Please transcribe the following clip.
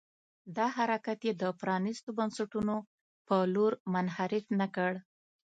دا حرکت یې د پرانيستو بنسټونو په لور منحرف نه کړ.